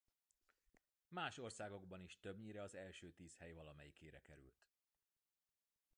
Más országokban is többnyire az első tíz hely valamelyikére került.